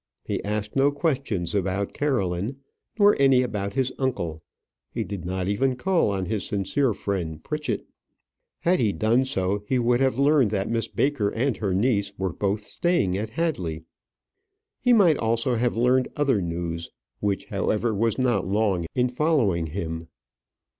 He asked no questions about Caroline, nor any about his uncle. He did not even call on his sincere friend Pritchett. Had he done so, he would have learned that Miss Baker and her niece were both staying at Hadley. He might also have learned other news, which, however, was not long in following him.